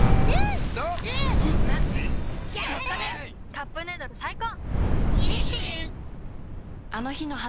「カップヌードル」最高！